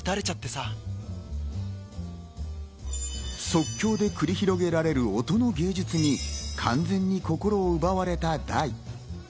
即興で繰り広げられる音の芸術に完全に心を奪われた大。